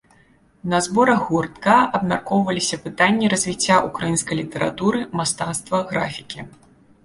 На зборах гуртка абмяркоўваліся пытанні развіцця ўкраінскай літаратуры, мастацтва, графікі.